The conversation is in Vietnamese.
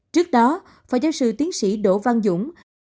trước đó phó giáo sư tiến sĩ đỗ văn dũng